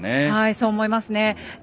そう思います。